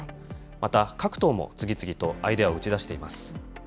また、各党も次々とアイデアを打ち出しています。